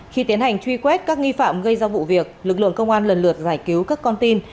khi tiến hành truy quét các nghi phạm gây ra vụ việc lực lượng công an lần lượt giải cứu các con tin